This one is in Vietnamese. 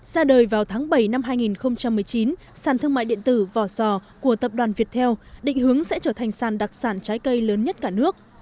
ra đời vào tháng bảy năm hai nghìn một mươi chín sản thương mại điện tử vò sò của tập đoàn viettel định hướng sẽ trở thành sàn đặc sản trái cây lớn nhất cả nước